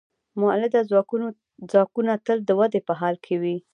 مؤلده ځواکونه تل د ودې په حال کې وي.